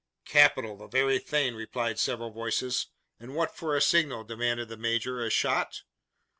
"Capital! the very thing!" replied several voices. "And what for a signal?" demanded the major. "A shot?"